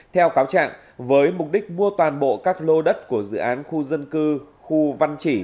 theo cáo trạng với mục đích mua toàn bộ các lô đất của dự án khu dân cư khu văn chỉ